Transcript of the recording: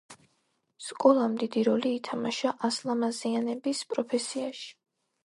სკოლამ დიდი როლი ითამაშა ასლამაზიანების პროფესიაში.